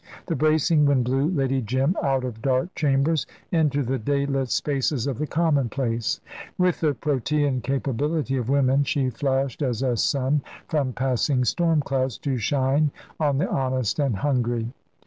The bracing wind blew Lady Jim out of dark chambers into the day lit spaces of the commonplace. With the protean capability of women she flashed as a sun from passing storm clouds, to shine on the honest and hungry.